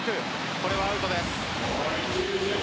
これはアウトです。